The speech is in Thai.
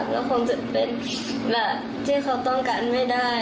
แล้วคงจะเป็นแบบที่เขาต้องการไม่ได้